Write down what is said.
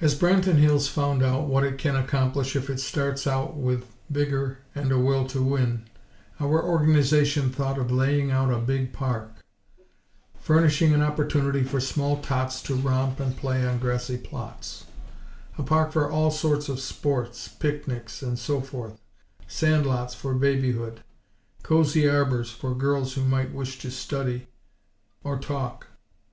As Branton Hills found out what it can accomplish if it starts out with vigor and a will to win, our Organization thought of laying out a big park; furnishing an opportunity for small tots to romp and play on grassy plots; a park for all sorts of sports, picnics, and so forth; sand lots for babyhood; cozy arbors for girls who might wish to study, or talk.